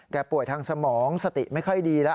ป่วยทางสมองสติไม่ค่อยดีแล้ว